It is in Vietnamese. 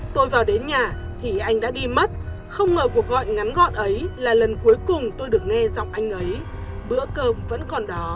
tôi vào đến nhà thì anh đã đi mất không mở cuộc gọi ngắn gọn ấy là lần cuối cùng tôi được nghe giọng anh ấy bữa cơm vẫn còn đó